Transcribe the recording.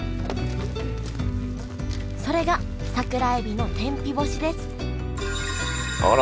それが桜えびの天日干しですあら！